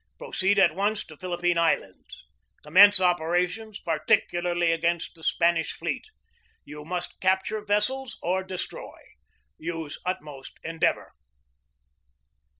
Proceed at once to Philippine Islands. Commence operations particularly against the Spanish fleet. You must capture vessels or destroy. Use utmost endeavor."